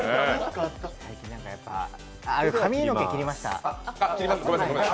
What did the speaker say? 髪の毛、切りました。